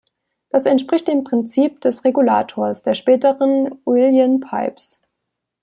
Das entspricht dem Prinzip der "regulators" der späteren Uilleann Pipes.